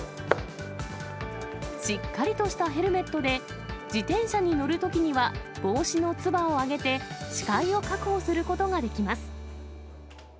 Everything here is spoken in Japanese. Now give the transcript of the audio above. しっかりとしたヘルメットで、自転車に乗るときには帽子のつばを上げて、視界を確保することができます。